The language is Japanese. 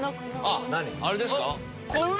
あれですか？